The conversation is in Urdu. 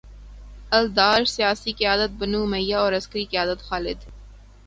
الدار، سیاسی قیادت بنو امیہ اور عسکری قیادت خالد